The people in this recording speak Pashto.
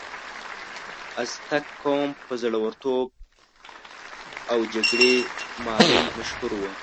ازتک قوم په زړورتوب او جګړې مارۍ مشهور و.